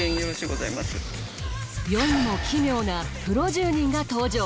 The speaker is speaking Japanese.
世にも奇妙なプロ住人が登場